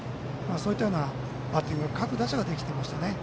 そういったバッティングを各打者ができていましたね。